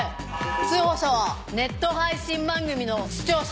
通報者はネット配信番組の視聴者。